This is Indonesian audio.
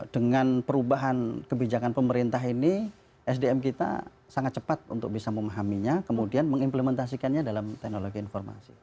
dengan perubahan kebijakan pemerintah ini sdm kita sangat cepat untuk bisa memahaminya kemudian mengimplementasikannya dalam teknologi informasi